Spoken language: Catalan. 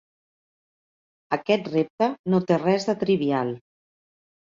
Aquest repte no té res de trivial.